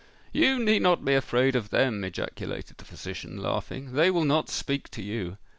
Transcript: "You need not be afraid of them!" ejaculated the physician, laughing: "they will not speak to you."